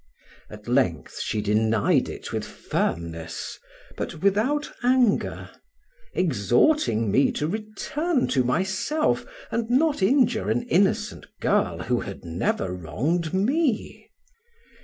At length, she denied it with firmness, but without anger, exhorting me to return to myself, and not injure an innocent girl who had never wronged me.